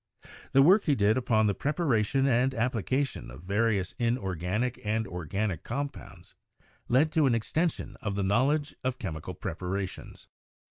The work he did upon the preparation and application of various inorganic and organic com pounds, led to an extension of the knowledge of chemical preparations.